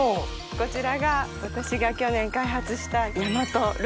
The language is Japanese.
こちらが私が去年開発した。え！